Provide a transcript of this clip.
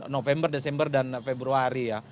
november desember dan februari ya